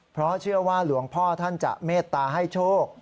เพราะเชื่อว่าหลวงพ่อท่านจะเมตตาให้โชค